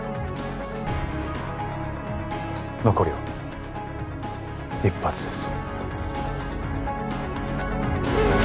残りは１発です